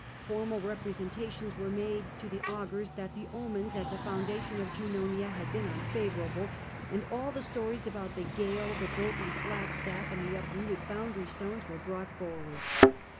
Formal representations were made to the augurs that the omens at the foundation of Junonia had been unfavourable, and all the stories about the gale, the broken flag staff, and the uprooted boundary stones, were brought forward.